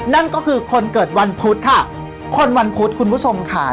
นั่นก็คือคนเกิดวันพุธค่ะคนวันพุธคุณผู้ชมค่ะ